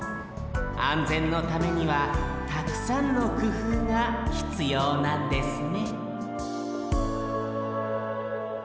あんぜんのためにはたくさんのくふうがひつようなんですね